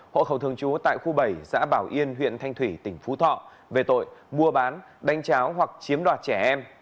hộ khẩu thường trú tại khu bảy xã bảo yên huyện thanh thủy tỉnh phú thọ về tội mua bán đánh cháo hoặc chiếm đoạt trẻ em